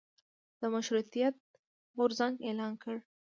د مشروطیت غورځنګ اعلان کړ.